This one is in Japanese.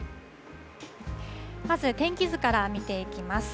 まず天気図から見ていきます。